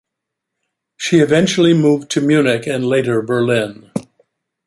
She eventually moved to Munich and later Berlin.